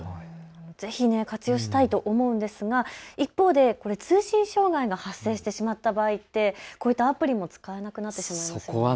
ぜひ活用したいと思うんですが一方で通信障害が発生してしまった場合ってこういったアプリも使えなくなってしまいますよね。